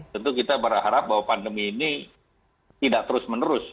tentu kita berharap bahwa pandemi ini tidak terus menerus